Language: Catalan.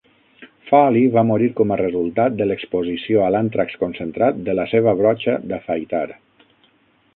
Farley va morir com a resultat de l"exposició a l"àntrax concentrat de la seva brotxa d'afaitar.